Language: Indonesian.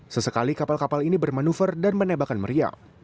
sesekali kapal kapal ini bermanuver dan menembakkan meriam